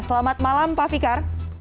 selamat malam pak fikar